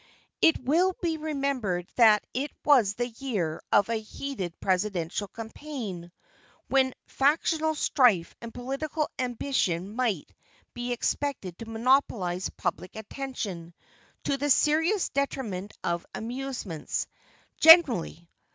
It will be remembered that it was the year of a heated presidential campaign, when factional strife and political ambition might be expected to monopolize public attention to the serious detriment of amusements generally.